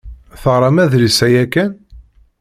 Teɣṛam adlis-a yakan?